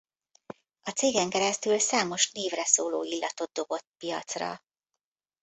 A cégen keresztül számos névre szóló illatot dobott piacra.